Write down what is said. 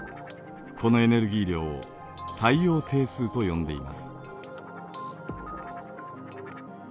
このエネルギー量を太陽定数と呼んでいます。